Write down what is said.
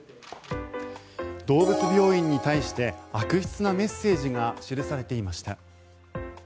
動物病院に対して悪質なメッセージが記されていました。